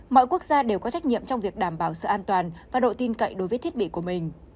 mọi quốc gia đều có trách nhiệm trong việc đảm bảo sự an toàn và độ tin cậy đối với thiết bị của mình